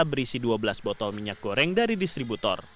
berisi dua belas botol minyak goreng dari distributor